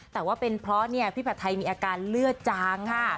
แต่ว่าเป็นเพราะพี่ผัดไทยมีอาการเลือดจางค่ะ